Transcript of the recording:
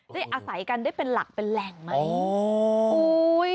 ได้อาศัยกันได้เป็นหลักเป็นแหล่งไหม